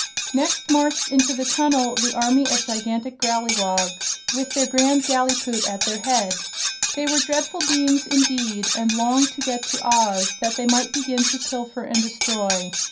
Next marched into the tunnel the army of gigantic Growleywogs, with their Grand Gallipoot at their head. They were dreadful beings, indeed, and longed to get to Oz that they might begin to pilfer and destroy.